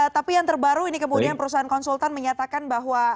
tapi yang terbaru ini kemudian perusahaan konsultan menyatakan bahwa